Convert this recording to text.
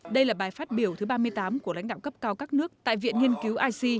đây là bài phát biểu thứ ba mươi tám của lãnh đạo cấp cao các nước tại viện nghiên cứu ic